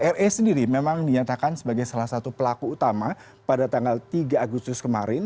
re sendiri memang dinyatakan sebagai salah satu pelaku utama pada tanggal tiga agustus kemarin